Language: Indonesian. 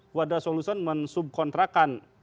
quadra solution mensubkontrakan